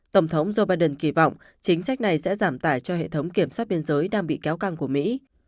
tổng thống joe biden kỳ vọng chính sách này sẽ giảm tải cho hệ thống kiểm soát biên giới đang bị kéo căng của mỹ